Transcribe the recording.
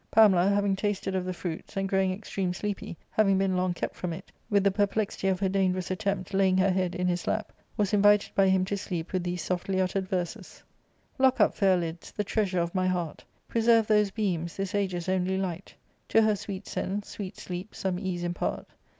Pamela, having tasted of the fruits, and growing ex* treme sleepy, having been long kept from it, with the per plexity of her dangerous attempt, laying her head in his lap, was invited by him to sleep with these softly uttered verses :—" Lock up, fair lids, the treasure of my heart, Preserve those beams, this age's only light ; To her sweet sense, sweet sleep, some ease impart.